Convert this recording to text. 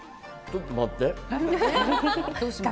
ちょっと待って。